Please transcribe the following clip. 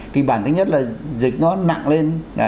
kịch bản thứ nhất là dịch nó nặng lên